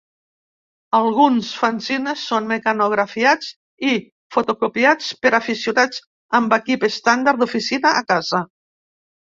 Alguns fanzines són mecanografiats i fotocopiats per aficionats amb equip estàndard d'oficina a casa.